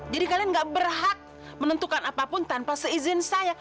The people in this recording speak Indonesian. jadi kalian gak berhak menentukan apapun tanpa seizin saya